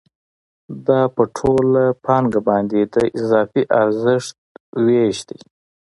دا په ټوله پانګه باندې د اضافي ارزښت وېش دی